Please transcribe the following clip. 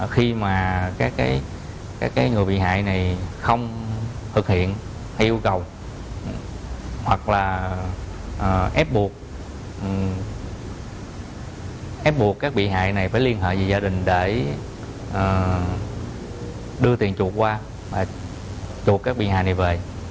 khi mà các cái người bị hại này không thực hiện yêu cầu hoặc là ép buộc các bị hại này phải liên hệ với gia đình để đưa tiền chuột qua chuột các bị hại này về